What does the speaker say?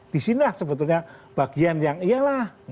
di sinilah sebetulnya bagian yang iya lah